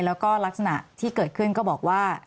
แล้วก็ลักษณะที่เกิดขึ้นก็บอกว่า